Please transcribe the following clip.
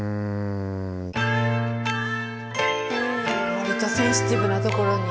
わりとセンシティブなところに。